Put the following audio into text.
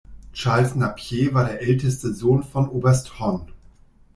Charles Napier war der älteste Sohn von Oberst Hon.